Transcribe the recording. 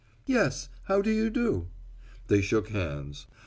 "Yes. How do you do!" They shook hands.